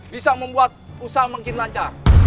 bisa membuat usaha mungkin lancar